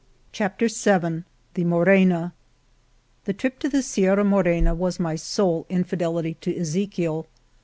172 VI The Morena g The Morena THE trip to the Sierra Morena was my sole infidelity to Ezechiel.